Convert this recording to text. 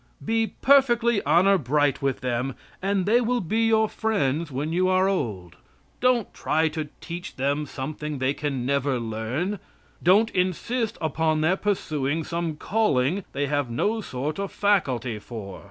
Be perfectly honor bright with them, and they will be your friends when you are old. Don't try to teach them something they can never learn. Don't insist upon their pursuing some calling they have no sort of faculty for.